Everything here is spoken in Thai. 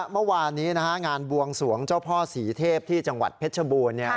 เมื่อวานนี้งานบวงสวงเจ้าพ่อศรีเทพที่จังหวัดเพชรบูรณ์